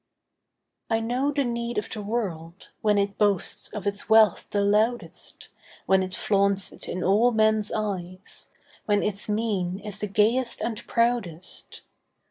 I know the need of the world, When it boasts of its wealth the loudest, When it flaunts it in all men's eyes, When its mien is the gayest and proudest.